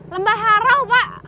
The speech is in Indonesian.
lembah harau pak